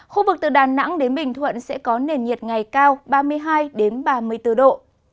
khu vực từ đà nẵng đến bình thuận sẽ có nền nhiệt ngày cao ba mươi hai ba mươi bốn độ